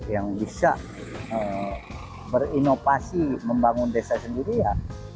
yang bisa berinovasi membangun desa sendiri ya